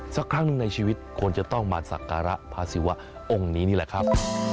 สักครั้งหนึ่งในชีวิตควรจะต้องมาสักการะพระศิวะองค์นี้นี่แหละครับ